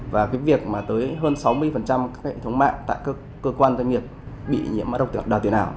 và việc tới hơn sáu mươi hệ thống mạng tại cơ quan doanh nghiệp bị nhiễm mã độc đào tiền ảo